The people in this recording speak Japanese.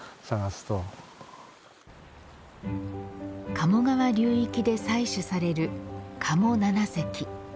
鴨川流域で採取される加茂七石。